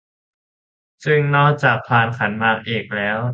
ซึ่งนอกจากพานขันหมากเอกแล้ว